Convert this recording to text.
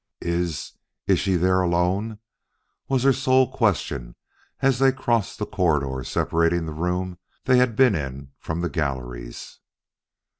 "Is is she there alone?" was her sole question as they crossed the corridor separating the room they had been in from the galleries.